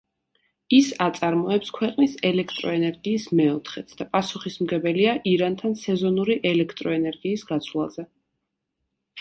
ის აწარმოებს ქვეყნის ელექტროენერგიის მეოთხედს და პასუხისმგებელია ირანთან სეზონური ელექტროენერგიის გაცვლაზე.